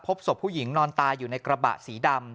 พบศพผู้หญิงนอนตายอยู่ในกระบะสีดำ